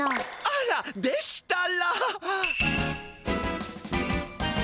あらでしたら！